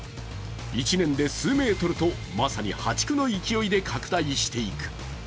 １年で数メートルとまさに破竹の勢いで拡大していく。